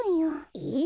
えっ？